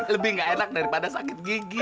lebih nggak enak daripada sakit gigi